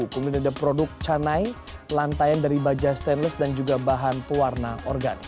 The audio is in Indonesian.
kemudian ada produk canai lantain dari baja stainless dan juga bahan pewarna organik